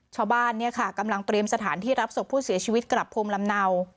ชาวบ้านเนี่ยค่ะกำลังเตรียมสถานที่รับศพผู้เสียชีวิตกลับภูมิลำเนา